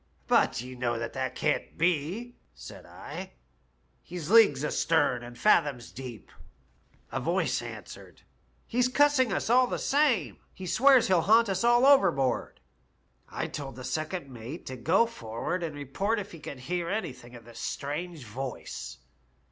'^* But you must know that that can't be,' said I, ' he's leagues astern and fathoms deep.' A voice answered, * He's cussing us all the same. He swears he'll haunt us all overboard.' I told the second mate to go forward and report if he could hear anything of this strange voice.